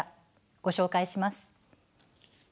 ご紹介します。